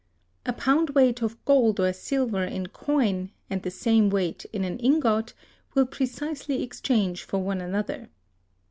A pound weight of gold or silver in coin, and the same weight in an ingot, will precisely exchange for one another.